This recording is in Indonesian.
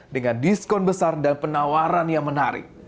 dengan diskon besar dan penawaran yang menarik